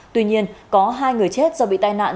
tuy nhiên có hai người chết do bị tai nạn